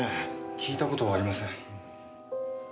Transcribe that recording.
聞いた事はありません。